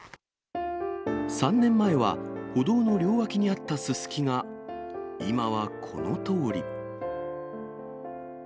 ３年前は歩道の両脇にあったススキが、今はこのとおり。